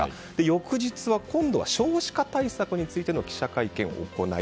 翌日は今度は少子化対策についての記者会見を行い